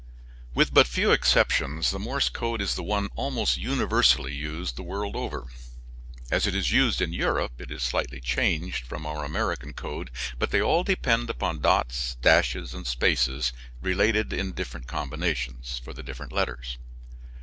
With but few exceptions the Morse code is the one almost universally used the world over. As it is used in Europe, it is slightly changed from our American code, but they all depend upon dots, dashes, and spaces, related in different combinations, for the different letters.